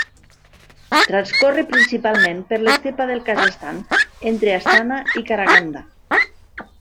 Transcorre principalment per l'estepa del Kazakhstan, entre Astana i Karaganda.